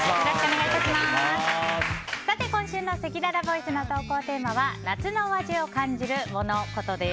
今週のせきららボイスの投稿テーマは夏の終わりを感じるモノ・コトです。